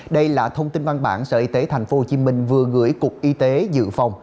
đây là thông tin văn bản sở y tế thành phố hồ chí minh vừa gửi cục y tế dự phòng